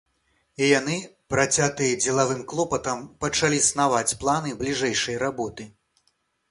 І яны, працятыя дзелавым клопатам, пачалі снаваць планы бліжэйшай работы.